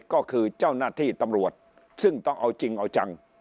ก็คือเจ้าหน้าที่ตำรวจซึ่งต้องเอาจริงเอาจัง